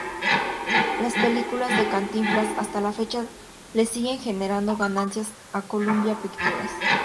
Las películas de Cantinflas, hasta la fecha le siguen generando ganancias a Columbia Pictures.